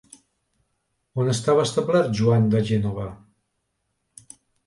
On estava establert Joan de Gènova?